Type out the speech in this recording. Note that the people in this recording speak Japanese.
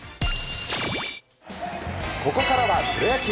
ここからはプロ野球。